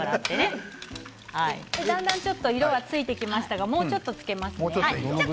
ちょっと色がついてきましたけれどももうちょっとつけますね。